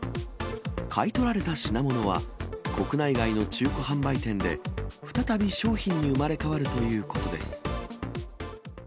買い取られた品物は、国内外の中古販売店で、再び商品に生まれ変わるということです。